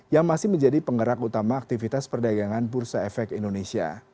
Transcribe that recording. yang masih menjadi penggerak utama aktivitas perdagangan bursa efek indonesia